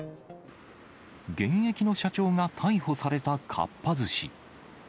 現役の社長が逮捕されたかっぱ寿司。